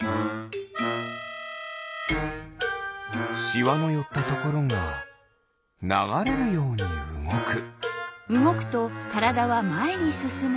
シワのよったところがながれるようにうごく。